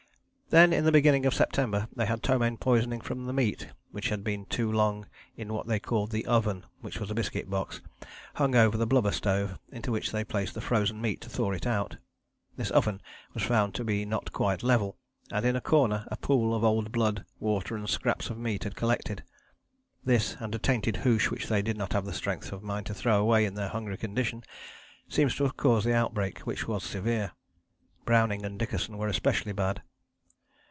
Then, in the beginning of September, they had ptomaine poisoning from meat which had been too long in what they called the oven, which was a biscuit box, hung over the blubber stove, into which they placed the frozen meat to thaw it out. This oven was found to be not quite level, and in a corner a pool of old blood, water and scraps of meat had collected. This and a tainted hoosh which they did not have the strength of mind to throw away in their hungry condition, seems to have caused the outbreak, which was severe. Browning and Dickason were especially bad.